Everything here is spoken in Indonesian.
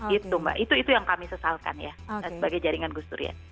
itu mbak itu yang kami sesalkan ya sebagai jaringan gus durian